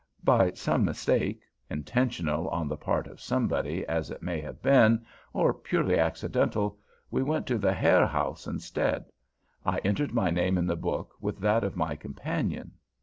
By some mistake, intentional on the part of somebody, as it may have been, or purely accidental, we went to the Herr House instead. I entered my name in the book, with that of my companion.